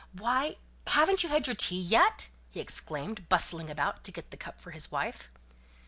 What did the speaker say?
Why! haven't you had your tea yet?" he exclaimed, bustling about to get the cup for his wife.